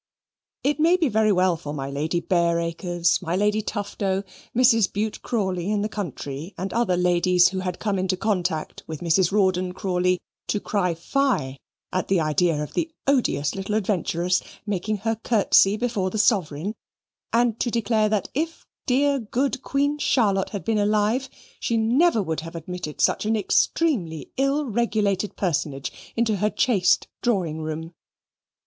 It might be very well for my Lady Bareacres, my Lady Tufto, Mrs. Bute Crawley in the country, and other ladies who had come into contact with Mrs. Rawdon Crawley to cry fie at the idea of the odious little adventuress making her curtsey before the Sovereign, and to declare that, if dear good Queen Charlotte had been alive, she never would have admitted such an extremely ill regulated personage into her chaste drawing room.